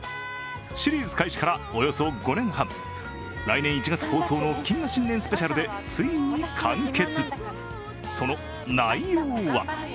シリーズ開始からおよそ５年半、来年１月放送の謹賀新年スペシャルでついに完結。